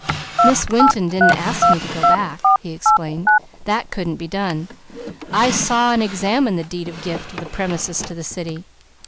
"Miss Winton didn't ask me to go back," he explained; "that couldn't be done. I saw and examined the deed of gift of the premises to the city.